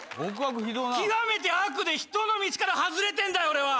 極めて悪で人の道から外れてんだよ俺は。